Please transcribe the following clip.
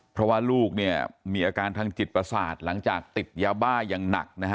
เพราะว่าลูกเนี่ยมีอาการทางจิตประสาทหลังจากติดยาบ้าอย่างหนักนะฮะ